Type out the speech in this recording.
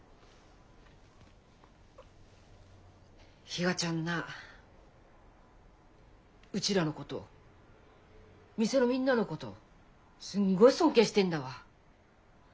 比嘉ちゃんなうちらのこと店のみんなのことすんごい尊敬してんだわ。